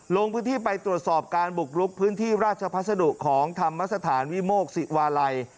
ลงพื้นที่ไปตรวจสอบการบุกลุกพื้นที่ราชพัสดุของธรรมสถานวิโมกศิวาลัย